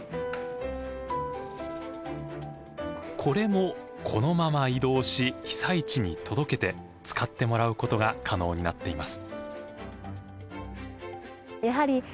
これもこのまま移動し被災地に届けて使ってもらうことが可能になっています。